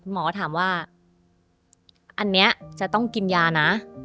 หมอถามว่าอันนี้จะต้องกินยานะ